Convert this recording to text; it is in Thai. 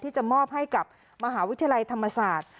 จะมอบให้กับมหาวิทยาลัยธรรมศาสตร์